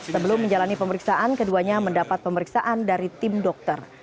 sebelum menjalani pemeriksaan keduanya mendapat pemeriksaan dari tim dokter